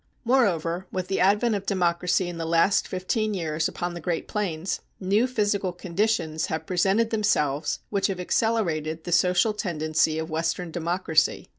Moreover, with the advent of democracy in the last fifteen years upon the Great Plains, new physical conditions have presented themselves which have accelerated the social tendency of Western democracy.